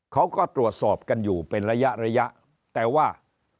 เขาก็ตรวจสอบกันอยู่เป็นระยะระยะแต่ว่า